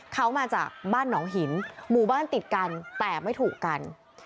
เขามาจากบ้านหนองหินหมู่บ้านติดกันแต่ไม่ถูกกัน